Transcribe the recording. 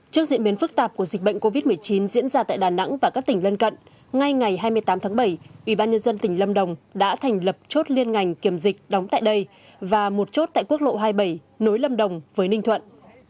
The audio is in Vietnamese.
trước diễn biến phức tạp của dịch bệnh covid một mươi chín diễn ra tại đà nẵng và các tỉnh lân cận ngay ngày hai mươi tám tháng bảy ubnd tỉnh lâm đồng đã thành lập chốt liên ngành kiểm dịch đóng tại đây và một chốt tại quốc lộ hai mươi bảy nối lâm đồng với ninh thuận